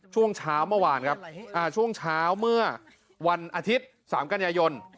ส่วนเช้าเมื่อวันอาทิตย์๓กลายอย่น